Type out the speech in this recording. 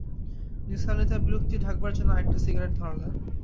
নিসার আলি তাঁর বিরক্তি ঢাকবার জন্যে একটা সিগারেট ধরালেন।